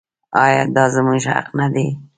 آیا دا زموږ حق نه دی؟